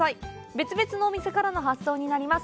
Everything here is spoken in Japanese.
別々のお店からの発送になります。